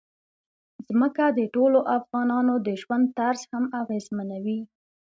ځمکه د ټولو افغانانو د ژوند طرز هم اغېزمنوي.